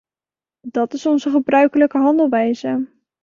Dat is onze gebruikelijke handelwijze.